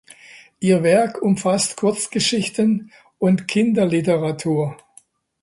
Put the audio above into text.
Ihr Werk umfasst Kurzgeschichten und Kinderliteratur.